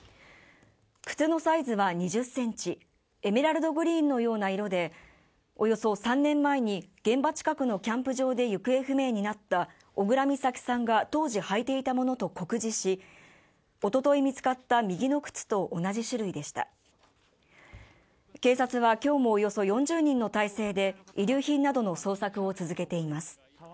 靴のサイズは２０センチエメラルドグリーンのような色でおよそ３年前に現場近くのキャンプ場で行方不明になった小倉美咲さんが当時履いていたものと酷似しおととい見つかった右の靴と同じ種類でした警察はきょうもおよそ４０人の態勢で遺留品などの捜索を続けています